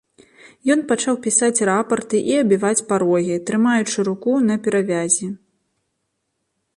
Ён пачаў пісаць рапарты і абіваць парогі, трымаючы руку на перавязі.